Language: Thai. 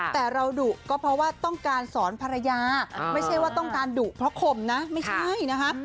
แต่เราดุก็เพราะว่าต้องการสอนภรรยาไม่ใช่ว่าต้องการดุเพราะข่มนะไม่ใช่นะคะ